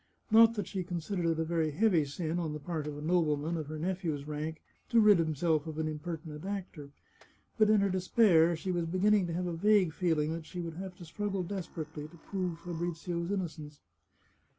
Not that she considered it a very heavy sin on the part of a nobleman of her nephew's rank to rid himself of an impertinent actor, but, in her despair, she was beginning to have a vague feeling that she would have to struggle desperately to prove Fabrizio's innocence.